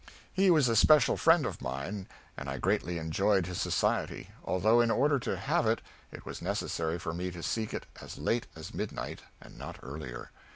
He was a special friend of mine, and I greatly enjoyed his society, although in order to have it it was necessary for me to seek it as late as midnight, and not earlier.